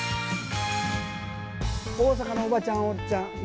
大阪のおばちゃん、おっちゃん